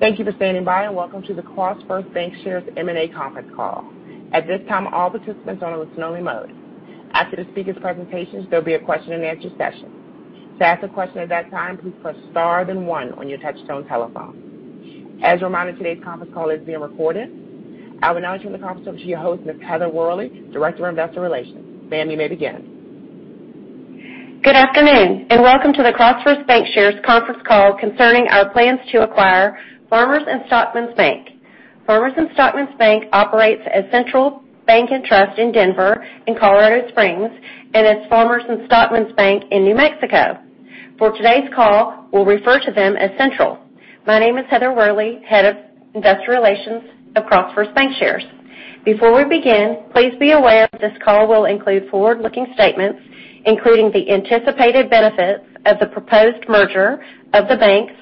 Thank you for standing by, and welcome to the CrossFirst Bankshares M&A conference call. At this time, all participants are on a listen-only mode. After the speakers' presentations, there'll be a question-and-answer session. To ask a question at that time, please press star then one on your touchtone telephone. As a reminder, today's conference call is being recorded. I will now turn the conference over to your host, Ms. Heather Worley, Director of Investor Relations. Ma'am, you may begin. Good afternoon, and welcome to the CrossFirst Bankshares conference call concerning our plans to acquire Farmers & Stockmens Bank. Farmers & Stockmens Bank operates as Central Bank & Trust in Denver and Colorado Springs and as Farmers & Stockmens Bank in New Mexico. For today's call, we'll refer to them as Central. My name is Heather Worley, Director of Investor Relations, CrossFirst Bankshares. Before we begin, please be aware this call will include forward-looking statements, including the anticipated benefits of the proposed merger of the banks,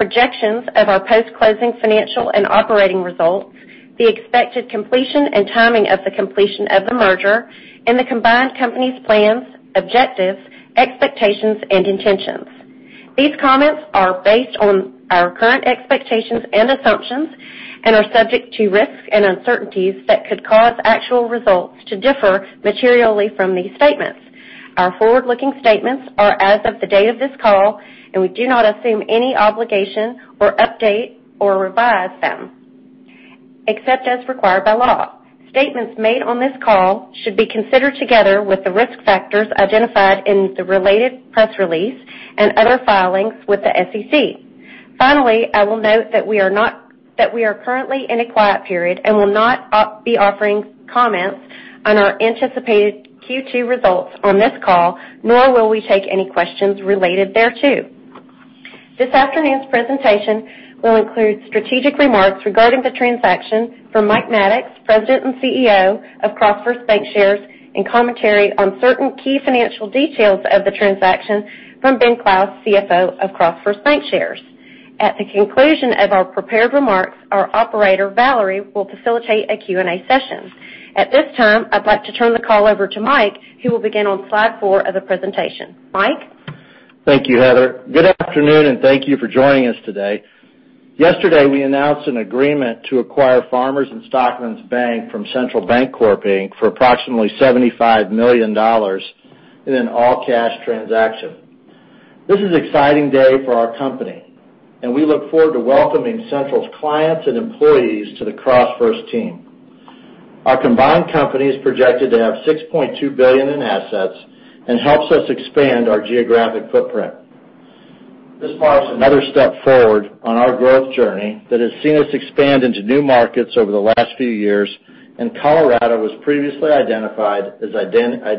projections of our post-closing financial and operating results, the expected completion and timing of the completion of the merger, and the combined company's plans, objectives, expectations, and intentions. These comments are based on our current expectations and assumptions and are subject to risks and uncertainties that could cause actual results to differ materially from these statements. Our forward-looking statements are as of the day of this call, and we do not assume any obligation or update or revise them except as required by law. Statements made on this call should be considered together with the risk factors identified in the related press release and other filings with the SEC. Finally, I will note that we are currently in a quiet period and will not be offering comments on our anticipated Q2 results on this call, nor will we take any questions related thereto. This afternoon's presentation will include strategic remarks regarding the transaction from Mike Maddox, President and CEO of CrossFirst Bankshares, and commentary on certain key financial details of the transaction from Ben Clouse, CFO of CrossFirst Bankshares. At the conclusion of our prepared remarks, our operator, Valerie, will facilitate a Q&A session. At this time, I'd like to turn the call over to Mike, who will begin on slide four of the presentation. Mike? Thank you, Heather. Good afternoon, and thank you for joining us today. Yesterday, we announced an agreement to acquire Farmers & Stockmens Bank from Central Bancorp, Inc. for approximately $75 million in an all-cash transaction. This is an exciting day for our company, and we look forward to welcoming Central's clients and employees to the CrossFirst team. Our combined company is projected to have $6.2 billion in assets and helps us expand our geographic footprint. This marks another step forward on our growth journey that has seen us expand into new markets over the last few years, and Colorado was previously identified as a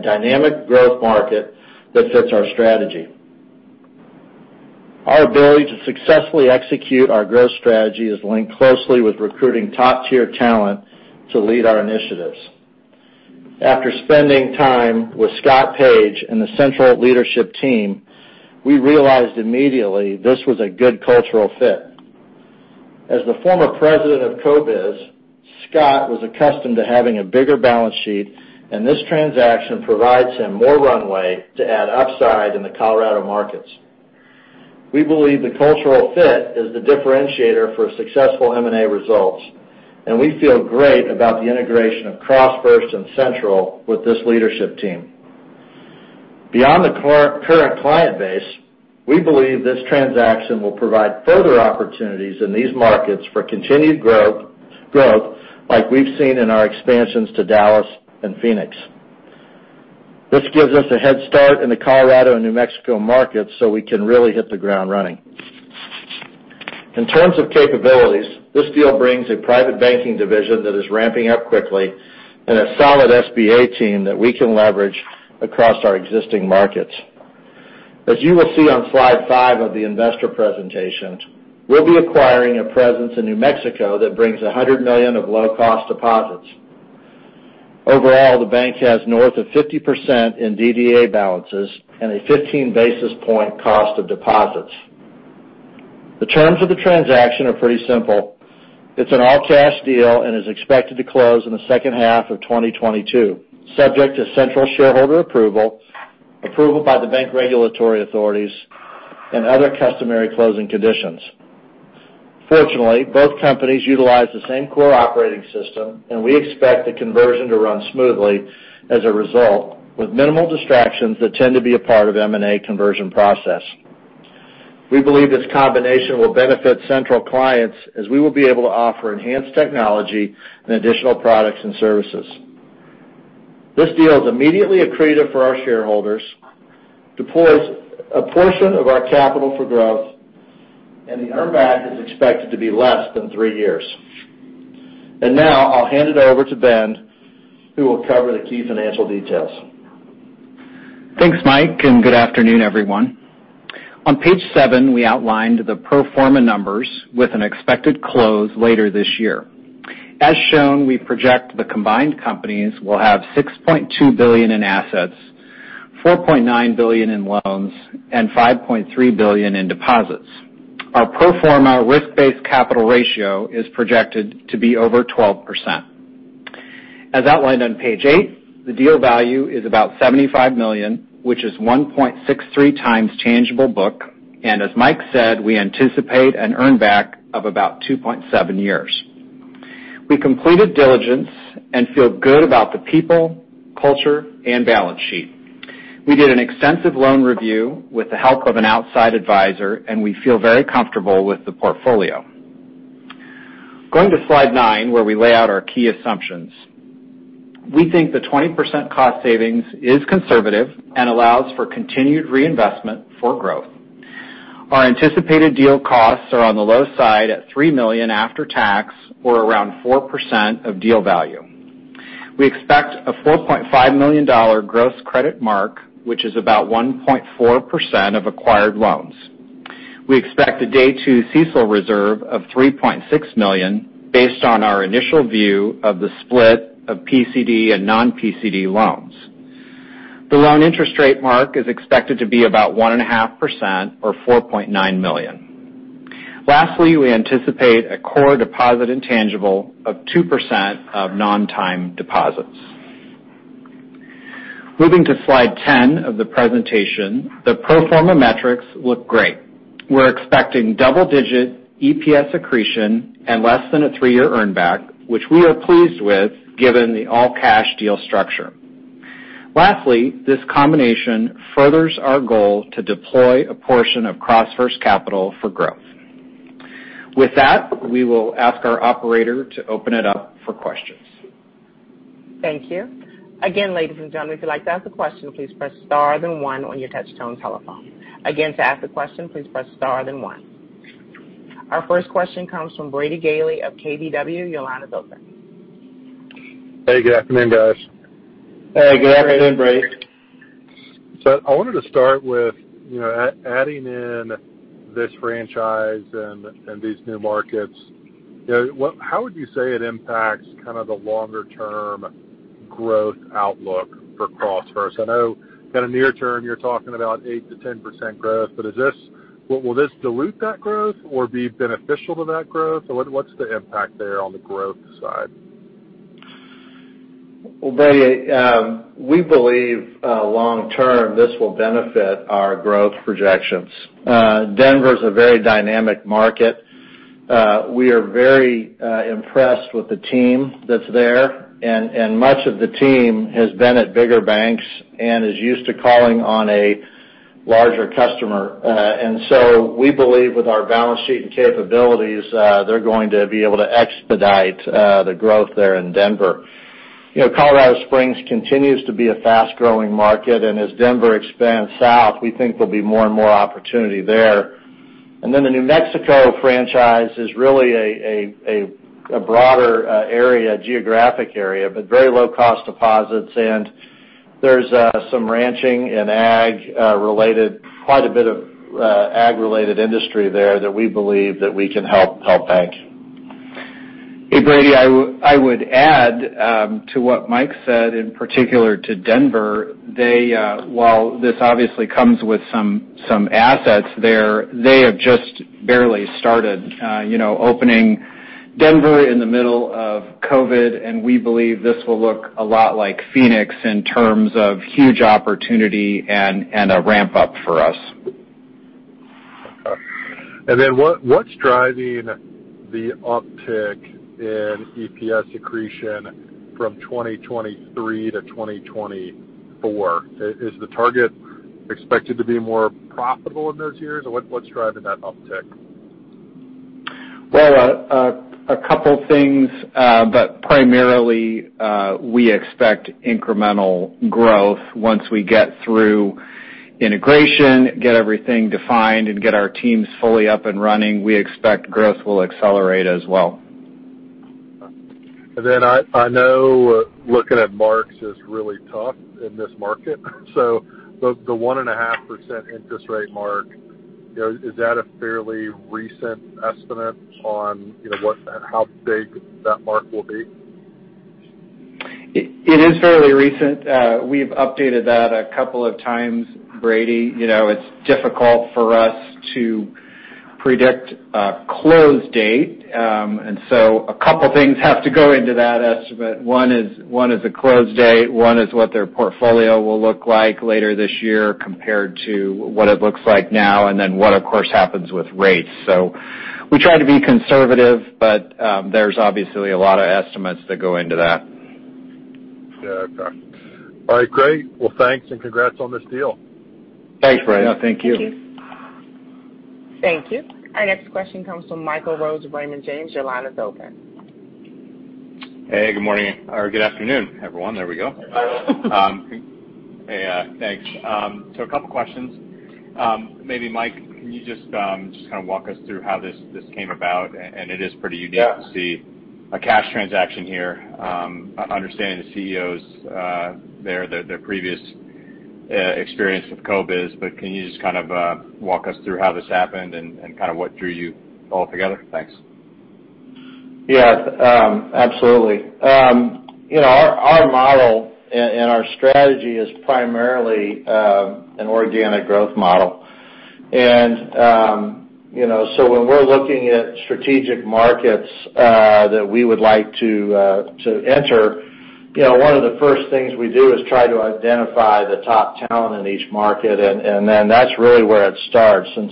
dynamic growth market that fits our strategy. Our ability to successfully execute our growth strategy is linked closely with recruiting top-tier talent to lead our initiatives. After spending time with Scott Page and the Central leadership team, we realized immediately this was a good cultural fit. As the former president of CoBiz, Scott was accustomed to having a bigger balance sheet, and this transaction provides him more runway to add upside in the Colorado markets. We believe the cultural fit is the differentiator for successful M&A results, and we feel great about the integration of CrossFirst and Central with this leadership team. Beyond the current client base, we believe this transaction will provide further opportunities in these markets for continued growth like we've seen in our expansions to Dallas and Phoenix. This gives us a head start in the Colorado and New Mexico markets, so we can really hit the ground running. In terms of capabilities, this deal brings a private banking division that is ramping up quickly and a solid SBA team that we can leverage across our existing markets. As you will see on slide five of the investor presentation, we'll be acquiring a presence in New Mexico that brings $100 million of low-cost deposits. Overall, the bank has north of 50% in DDA balances and a 15 basis point cost of deposits. The terms of the transaction are pretty simple. It's an all-cash deal and is expected to close in the second half of 2022, subject to Central shareholder approval by the bank regulatory authorities, and other customary closing conditions. Fortunately, both companies utilize the same core operating system, and we expect the conversion to run smoothly as a result, with minimal distractions that tend to be a part of M&A conversion process. We believe this combination will benefit Central clients as we will be able to offer enhanced technology and additional products and services. This deal is immediately accretive for our shareholders, deploys a portion of our capital for growth, and the earn back is expected to be less than three years. Now I'll hand it over to Ben Clouse, who will cover the key financial details. Thanks, Mike, and good afternoon, everyone. On page seven, we outlined the pro forma numbers with an expected close later this year. As shown, we project the combined companies will have $6.2 billion in assets, $4.9 billion in loans, and $5.3 billion in deposits. Our pro forma risk-based capital ratio is projected to be over 12%. As outlined on page eight, the deal value is about $75 million, which is 1.63x tangible book. As Mike said, we anticipate an earn back of about 2.7 years. We completed diligence and feel good about the people, culture, and balance sheet. We did an extensive loan review with the help of an outside advisor, and we feel very comfortable with the portfolio. Going to slide 9, where we lay out our key assumptions. We think the 20% cost savings is conservative and allows for continued reinvestment for growth. Our anticipated deal costs are on the low side at $3 million after tax or around 4% of deal value. We expect a $4.5 million gross credit mark, which is about 1.4% of acquired loans. We expect a day two CECL reserve of $3.6 million based on our initial view of the split of PCD and non-PCD loans. The loan interest rate mark is expected to be about 1.5% or $4.9 million. Lastly, we anticipate a core deposit intangible of 2% of non-time deposits. Moving to slide 10 of the presentation, the pro forma metrics look great. We're expecting double-digit EPS accretion and less than a three year earn back, which we are pleased with given the all-cash deal structure. Lastly, this combination furthers our goal to deploy a portion of CrossFirst capital for growth. With that, we will ask our operator to open it up for questions. Thank you. Again, ladies and gentlemen, if you'd like to ask a question, please press star, then one on your touch tone telephone. Again, to ask a question, please press star then one. Our first question comes from Brady Gailey of KBW. Your line is open. Hey, good afternoon, guys. Hey, good afternoon, Brady. I wanted to start with, you know, adding in this franchise and these new markets. You know, how would you say it impacts kind of the longer-term growth outlook for CrossFirst? I know that in the near term, you're talking about 8%-10% growth, but will this dilute that growth or be beneficial to that growth? Or what's the impact there on the growth side? Well, Brady, we believe, long term, this will benefit our growth projections. Denver is a very dynamic market. We are very impressed with the team that's there. Much of the team has been at bigger banks and is used to calling on a larger customer. We believe with our balance sheet and capabilities, they're going to be able to expedite the growth there in Denver. You know, Colorado Springs continues to be a fast-growing market, and as Denver expands south, we think there'll be more and more opportunity there. Then the New Mexico franchise is really a broader area, geographic area, but very low-cost deposits. There's some ranching and ag-related, quite a bit of ag-related industry there that we believe that we can help bank. Hey, Brady, I would add to what Mike said, in particular to Denver, they while this obviously comes with some assets there, they have just barely started, you know, opening Denver in the middle of COVID, and we believe this will look a lot like Phoenix in terms of huge opportunity and a ramp-up for us. Okay. What's driving the uptick in EPS accretion from 2023-2024? Is the target expected to be more profitable in those years? What's driving that uptick? Well, a couple things, but primarily, we expect incremental growth once we get through integration, get everything defined, and get our teams fully up and running. We expect growth will accelerate as well. I know looking at marks is really tough in this market. The 1.5% interest rate mark, you know, is that a fairly recent estimate on, you know, how big that mark will be? It is fairly recent. We've updated that a couple of times, Brady. You know, it's difficult for us to predict a close date. A couple things have to go into that estimate. One is a close date, one is what their portfolio will look like later this year compared to what it looks like now, and then what, of course, happens with rates. We try to be conservative, but there's obviously a lot of estimates that go into that. Yeah. Okay. All right, great. Well, thanks, and congrats on this deal. Thanks, Brady. Thank you. Yeah. Thank you. Thank you. Our next question comes from Michael Rose of Raymond James. Your line is open. Hey, good morning. Or good afternoon, everyone. There we go. Hey, thanks. A couple of questions. Maybe Mike, can you just kind of walk us through how this came about? It is pretty unique. Yeah. to see a cash transaction here. Understanding the CEOs, their previous experience with CoBiz. Can you just kind of walk us through how this happened and kind of what drew you all together? Thanks. Yeah, absolutely. You know, our model and our strategy is primarily an organic growth model. You know, so when we're looking at strategic markets that we would like to enter, you know, one of the first things we do is try to identify the top talent in each market, and then that's really where it starts. It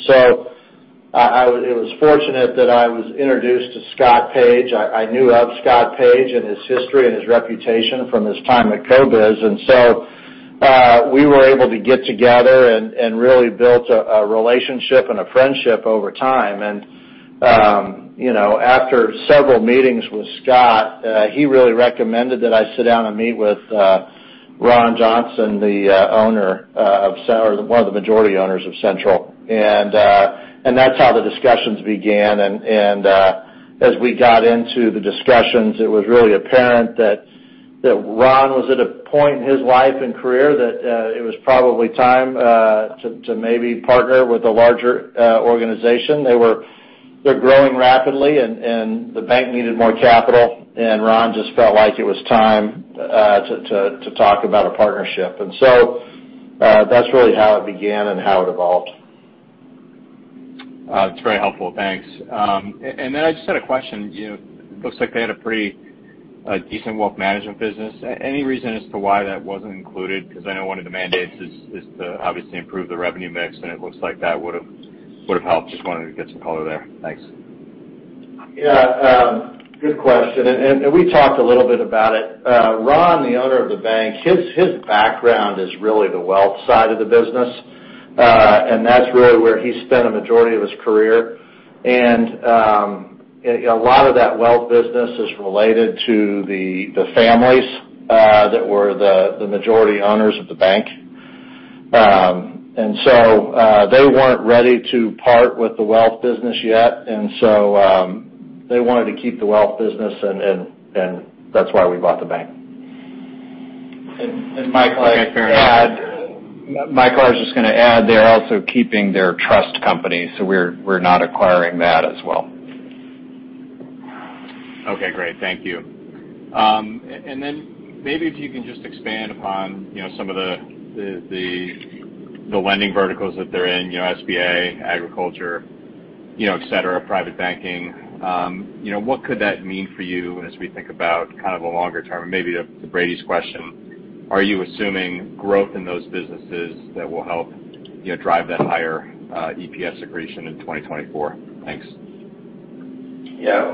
was fortunate that I was introduced to Scott Page. I knew of Scott Page and his history and his reputation from his time at CoBiz. We were able to get together and really built a relationship and a friendship over time. After several meetings with Scott, he really recommended that I sit down and meet with Ron Johnson, the owner or one of the majority owners of Central. That's how the discussions began. As we got into the discussions, it was really apparent that Ron was at a point in his life and career that it was probably time to maybe partner with a larger organization. They're growing rapidly and the bank needed more capital, and Ron just felt like it was time to talk about a partnership. That's really how it began and how it evolved. That's very helpful. Thanks. I just had a question. You know, looks like they had a pretty decent wealth management business. Any reason as to why that wasn't included? Because I know one of the mandates is to obviously improve the revenue mix, and it looks like that would've helped. Just wanted to get some color there. Thanks. Yeah, good question. We talked a little bit about it. Ron, the owner of the bank, his background is really the wealth side of the business, and that's really where he spent a majority of his career. A lot of that wealth business is related to the families that were the majority owners of the bank. They weren't ready to part with the wealth business yet. They wanted to keep the wealth business, and that's why we bought the bank. Michael. Okay, fair enough. Mike, I was just gonna add, they're also keeping their trust company, so we're not acquiring that as well. Okay, great. Thank you. And then maybe if you can just expand upon, you know, some of the lending verticals that they're in, you know, SBA, agriculture, you know, et cetera, private banking. You know, what could that mean for you as we think about kind of a longer term? Maybe to Brady's question, are you assuming growth in those businesses that will help, you know, drive that higher EPS accretion in 2024? Thanks. Yeah.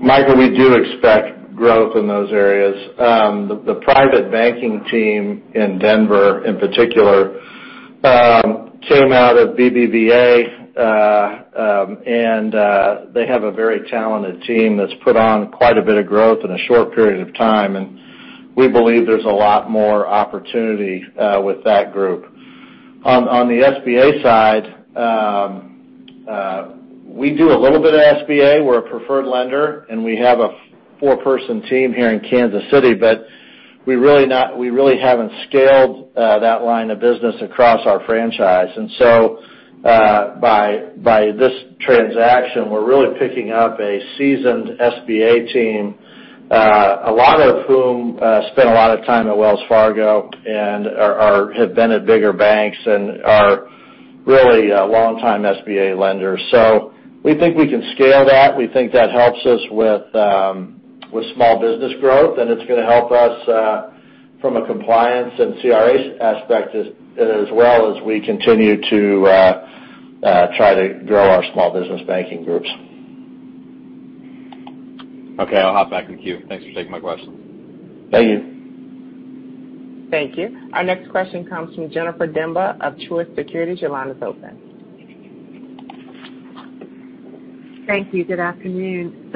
Michael, we do expect growth in those areas. The private banking team in Denver, in particular, came out of BBVA, and they have a very talented team that's put on quite a bit of growth in a short period of time, and we believe there's a lot more opportunity with that group. On the SBA side, we do a little bit of SBA. We're a preferred lender, and we have a four-person team here in Kansas City, but we really haven't scaled that line of business across our franchise. By this transaction, we're really picking up a seasoned SBA team, a lot of whom spent a lot of time at Wells Fargo and have been at bigger banks and are really longtime SBA lenders. We think we can scale that. We think that helps us with small business growth, and it's gonna help us from a compliance and CRA aspect as well as we continue to try to grow our small business banking groups. Okay. I'll hop back in the queue. Thanks for taking my question. Thank you. Thank you. Our next question comes from Jennifer Demba of Truist Securities. Your line is open. Thank you. Good afternoon.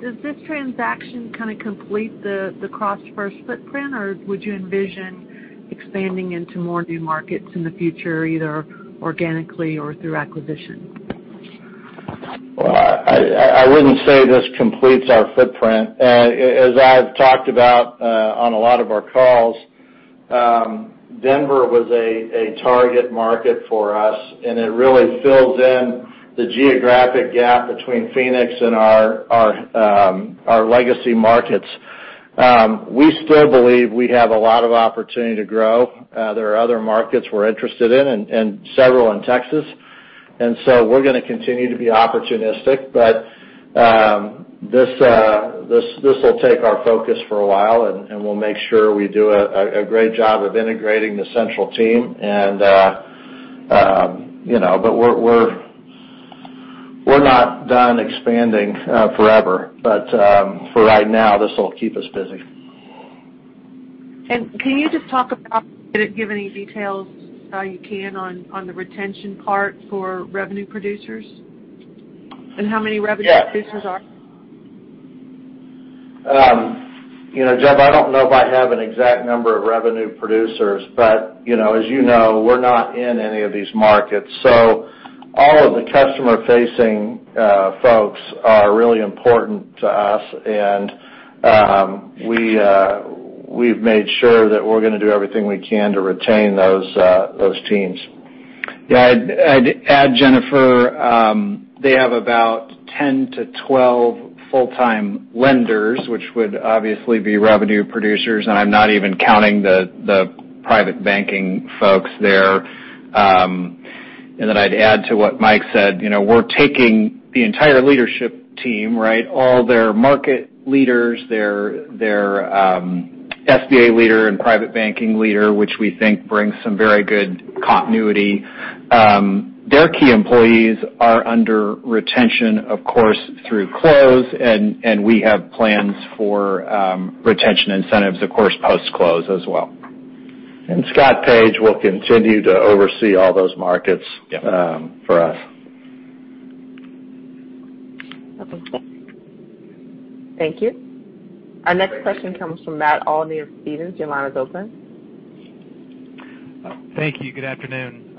Does this transaction kinda complete the CrossFirst footprint, or would you envision expanding into more new markets in the future, either organically or through acquisition? I wouldn't say this completes our footprint. As I've talked about on a lot of our calls, Denver was a target market for us, and it really fills in the geographic gap between Phoenix and our legacy markets. We still believe we have a lot of opportunity to grow. There are other markets we're interested in and several in Texas. We're gonna continue to be opportunistic, but this will take our focus for a while, and we'll make sure we do a great job of integrating the Central team, you know. We're not done expanding forever. For right now, this will keep us busy. Can you just talk about, give any details, you can on the retention part for revenue producers and how many revenue producers are? Yeah. You know, Jen, I don't know if I have an exact number of revenue producers. You know, as you know, we're not in any of these markets, so all of the customer-facing folks are really important to us. We've made sure that we're gonna do everything we can to retain those teams. Yeah. I'd add, Jennifer, they have about 10-12 full-time lenders, which would obviously be revenue producers, and I'm not even counting the private banking folks there. I'd add to what Mike said, you know, we're taking the entire leadership team, right? All their market leaders, their SBA leader and private banking leader, which we think brings some very good continuity. Their key employees are under retention, of course, through close, and we have plans for retention incentives, of course, post-close as well. Scott Page will continue to oversee all those markets. Yeah. for us. Okay. Thank you. Our next question comes from Matt Olney of Stephens. Your line is open. Thank you. Good afternoon.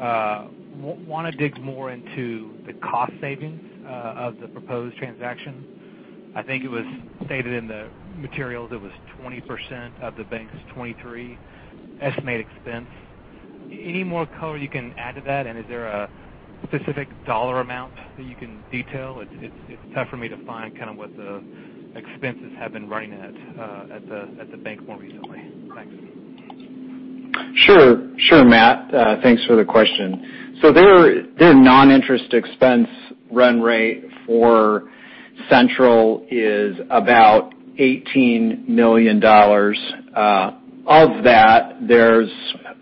Wanna dig more into the cost savings of the proposed transaction. I think it was stated in the materials it was 20% of the bank's 2023 estimated expense. Any more color you can add to that? Is there a specific dollar amount that you can detail? It's tough for me to find kinda what the expenses have been running at the bank more recently. Thanks. Sure, Matt. Thanks for the question. So their non-interest expense run rate for Central is about $18 million. Of that, there's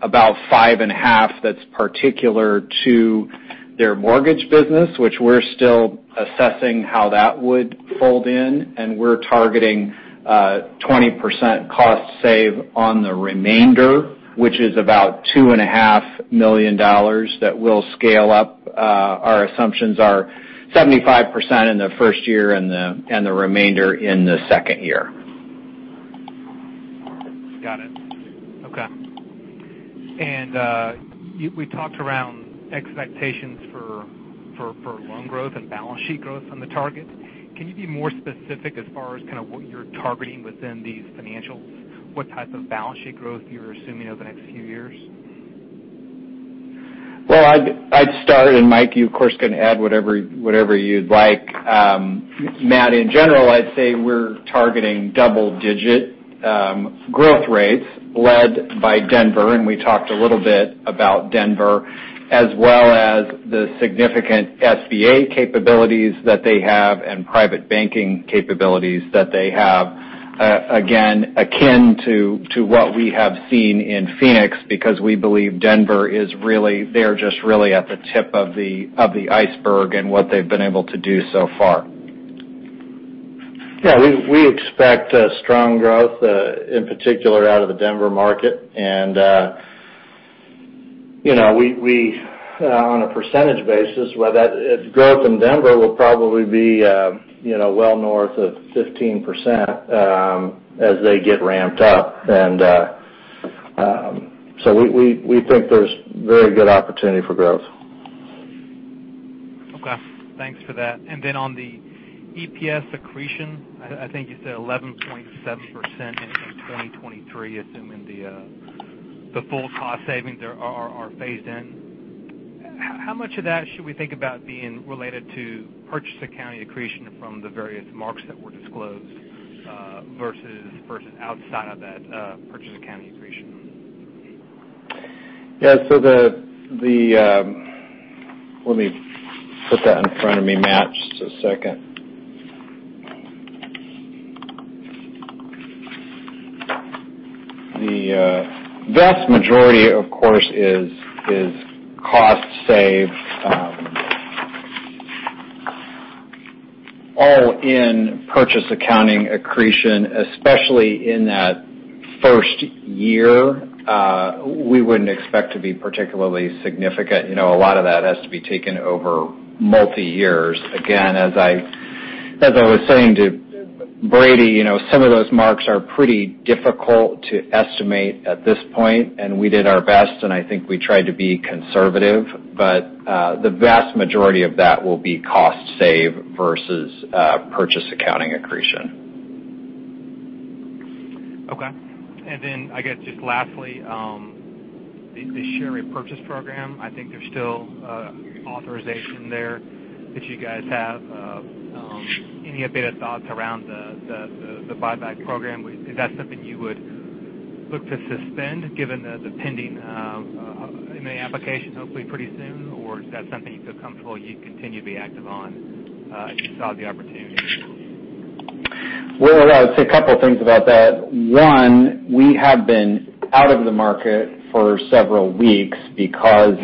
about $5.5 million that's particular to their mortgage business, which we're still assessing how that would fold in. We're targeting 20% cost save on the remainder, which is about $2.5 million that will scale up. Our assumptions are 75% in the first year and the remainder in the second year. Got it. Okay. We talked around expectations for loan growth and balance sheet growth on the target. Can you be more specific as far as kinda what you're targeting within these financials? What type of balance sheet growth you're assuming over the next few years? Well, I'd start, and Mike, you of course, can add whatever you'd like. Matt, in general, I'd say we're targeting double-digit growth rates led by Denver, and we talked a little bit about Denver, as well as the significant SBA capabilities that they have and private banking capabilities that they have, again, akin to what we have seen in Phoenix because we believe they are just really at the tip of the iceberg in what they've been able to do so far. Yeah, we expect strong growth in particular out of the Denver market. You know, we on a percentage basis, well, its growth in Denver will probably be, you know, well north of 15%, as they get ramped up. We think there's very good opportunity for growth. Okay. Thanks for that. On the EPS accretion, I think you said 11.7% in 2023, assuming the full cost savings are phased in. How much of that should we think about being related to purchase accounting accretion from the various marks that were disclosed, versus outside of that purchase accounting accretion? Yeah. Let me put that in front of me, Matt, just a second. The vast majority, of course, is cost savings all in purchase accounting accretion, especially in that first year. We wouldn't expect to be particularly significant. You know, a lot of that has to be taken over multi years. Again, as I was saying to Brady, you know, some of those marks are pretty difficult to estimate at this point, and we did our best, and I think we tried to be conservative, but the vast majority of that will be cost savings versus purchase accounting accretion. Okay. I guess, just lastly, the share repurchase program, I think there's still authorization there that you guys have. Any updated thoughts around the buyback program? Is that something you would look to suspend given the pending M&A application hopefully pretty soon? Or is that something you feel comfortable you'd continue to be active on, if you saw the opportunity? Well, I'd say a couple things about that. One, we have been out of the market for several weeks because,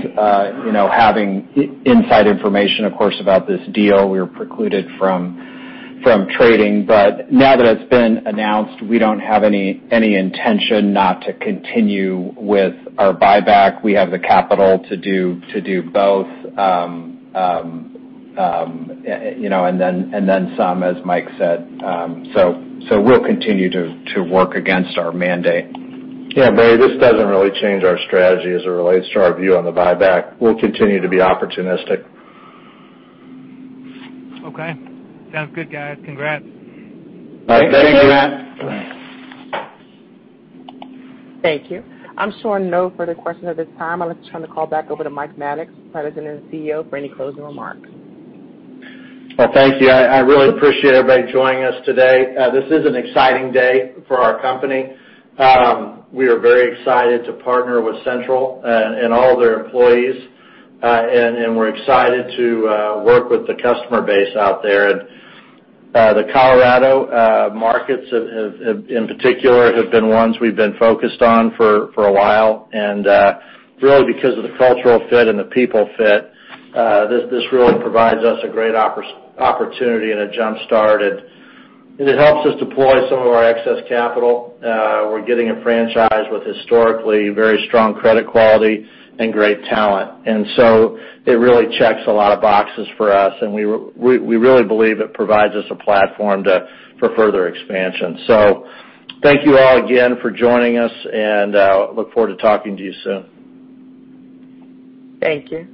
you know, having inside information, of course, about this deal, we're precluded from trading. Now that it's been announced, we don't have any intention not to continue with our buyback. We have the capital to do both, you know, and then some, as Mike said. We'll continue to work against our mandate. Yeah, Brady, this doesn't really change our strategy as it relates to our view on the buyback. We'll continue to be opportunistic. Okay. Sounds good, guys. Congrats. All right. Thank you, Matt. Thanks. Thank you. I'm showing no further questions at this time. I'll just turn the call back over to Mike Maddox, President and CEO, for any closing remarks. Well, thank you. I really appreciate everybody joining us today. This is an exciting day for our company. We are very excited to partner with Central and all their employees. We're excited to work with the customer base out there. The Colorado markets, in particular, have been ones we've been focused on for a while. Really because of the cultural fit and the people fit, this really provides us a great opportunity and a jump-start. It helps us deploy some of our excess capital. We're getting a franchise with historically very strong credit quality and great talent. It really checks a lot of boxes for us, and we really believe it provides us a platform for further expansion. Thank you all again for joining us, and look forward to talking to you soon. Thank you.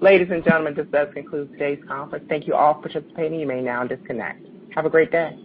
Ladies and gentlemen, this does conclude today's conference. Thank you all for participating. You may now disconnect. Have a great day.